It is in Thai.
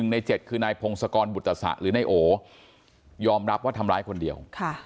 ใน๗คือนายพงศกรบุตตสะหรือนายโอยอมรับว่าทำร้ายคนเดียว